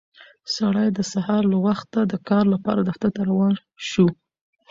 سړی د سهار له وخته د کار لپاره دفتر ته روان شو